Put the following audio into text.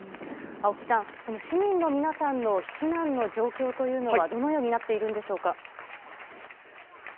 青木さん、市民の皆さんの避難の状況というのはどのようになっているんでしょうか。